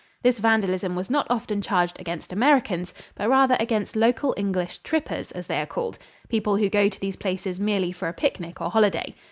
This vandalism was not often charged against Americans, but rather against local English "trippers," as they are called people who go to these places merely for a picnic or holiday.